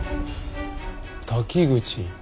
滝口。